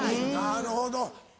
なるほど。